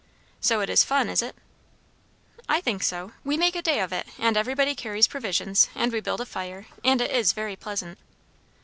"So it is fun, is it?" "I think so. We make a day of it; and everybody carries provisions; and we build a fire, and it is very pleasant."